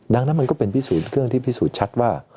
ดังนั้นมันก็เป็นพิสูจน์เครื่องที่พิสูจน์ชัดว่า